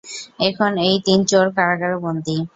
এখন এই তিন চোর, কারাগারে বন্দী।